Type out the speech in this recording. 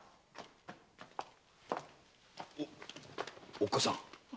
おっかさん。